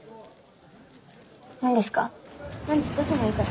何ですか？